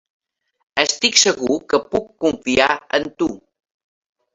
Estic segur que puc confiar en tu.